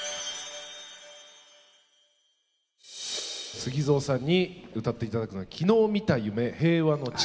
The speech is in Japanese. ＳＵＧＩＺＯさんに歌って頂くのは「昨日見た夢平和の誓い」。